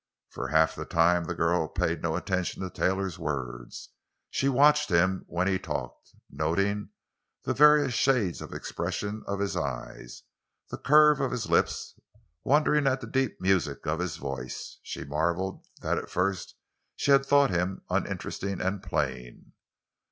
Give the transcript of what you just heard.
For half the time the girl paid no attention to Taylor's words. She watched him when he talked, noting the various shades of expression of his eyes, the curve of his lips, wondering at the deep music of his voice. She marveled that at first she had thought him uninteresting and plain.